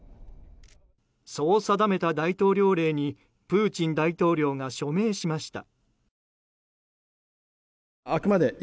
そう定めた大統領令にプーチン大統領が署名しました。